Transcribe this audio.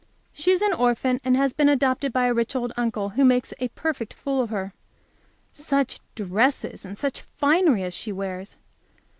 She is an orphan, and has been adopted by a rich old uncle, who makes a perfect fool of her. Such dresses and such finery as she wears!